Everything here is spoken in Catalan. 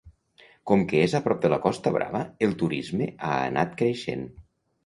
Com que és a prop de la Costa Brava el turisme ha anat creixent.